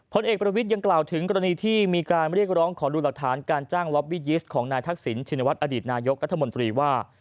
ผลเอกประวิทย์ยังกล่าวถึงกรณีที่มีการเรียกร้องขอดูหลักฐานการจ้างล็อบบี้ยิสต์ของนายทักษิณชินวัฒนอดีตนายกรัฐมนตรีว่า